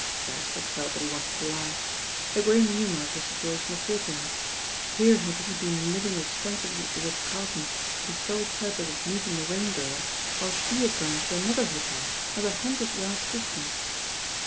Beresford felt that he wanted to laugh. The grim humour of the situation appealed to him. Here had he been living expensively at the Ritz Carlton for the sole purpose of meeting the Rain Url, while she had gone to another hotel not a hun dred yards distant.